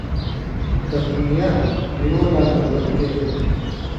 تَثنِیَہ، دُیُوں لا دلالت کېر